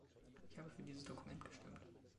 Ich habe für dieses Dokument gestimmt.